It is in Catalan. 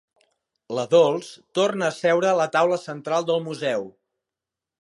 La Dols torna a seure a la taula central del museu.